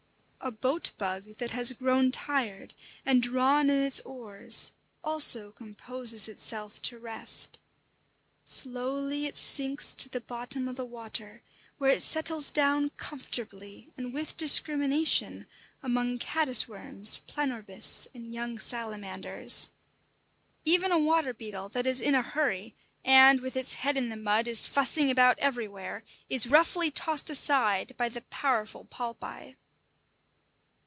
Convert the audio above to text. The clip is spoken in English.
A boat bug that has grown tired, and drawn in its oars, also composes itself to rest. Slowly it sinks to the bottom of the water, where it settles down comfortably and with discrimination among caddis worms, planorbis, and young salamanders. Even a water beetle that is in a hurry and, with its head in the mud, is fussing about everywhere, is roughly tossed aside by the powerful palpi.